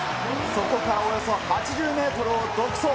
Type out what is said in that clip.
そこからおよそ８０メートルを独走。